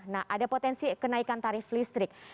nah ada potensi kenaikan tarif listrik